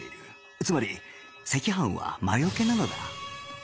つまり赤飯は魔よけなのだ